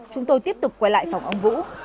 chúng tôi tiếp tục quay lại phòng ông vũ